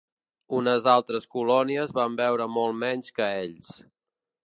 Unes altres colònies van veure molt menys que ells.